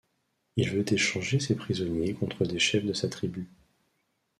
Il veut échanger ses prisonniers contre des chefs de sa tribu!